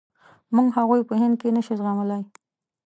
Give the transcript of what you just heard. موږ هغوی په هند کې نشو زغملای.